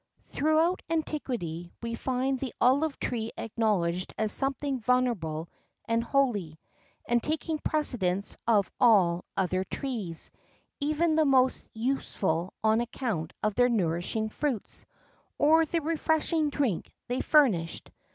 Throughout antiquity we find the olive tree acknowledged as something venerable and holy, and taking precedence of all other trees, even the most useful on account of their nourishing fruits, or the refreshing drink they furnished.